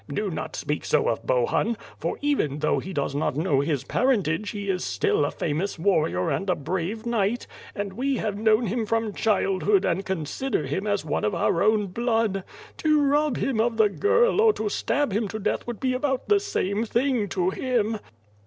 "Do not speak so of Bohun; for even though he does not know his parentage he is still a famous warrior and a brave knight, and we have known him from childhood and consider him as one of our own blood. To rob him of the girl or to stab him to death would be about the same thing to him."